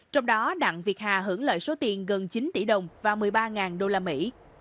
trong đó đặng việt hà hưởng lợi số tiền gần chín tỷ đồng và một mươi ba đô la mỹ